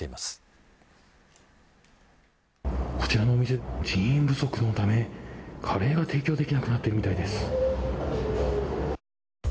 続いては、人手不足でこちらのお店、人員不足のためカレーが提供できなくなっているみたいです。